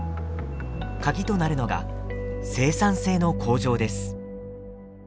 カギとなるのが生産性の向上です。